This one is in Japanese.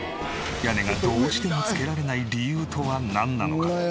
屋根がどうしても付けられない理由とはなんなのか？